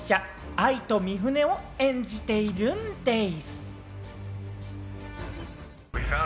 アイト・ミフネを演じているんでぃす！